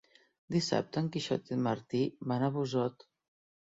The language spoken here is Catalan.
Dissabte en Quixot i en Martí van a Busot.